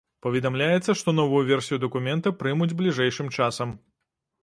Паведамляецца, што новую версію дакумента прымуць бліжэйшым часам.